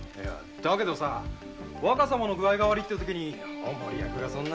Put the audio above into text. だけど若様の具合が悪い時にお守り役がそんな？